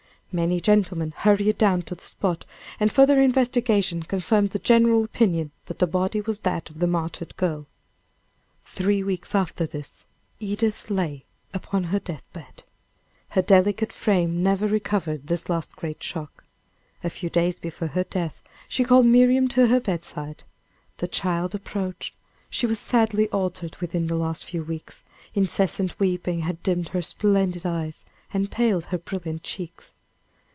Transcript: Many gentlemen hurried down to the spot, and further investigation confirmed the general opinion that the body was that of the martyred girl. Three weeks after this, Edith lay upon her deathbed. Her delicate frame never recovered this last great shock. A few days before her death she called Miriam to her bedside. The child approached; she was sadly altered within the last few weeks; incessant weeping had dimmed her splendid eyes, and paled her brilliant cheeks.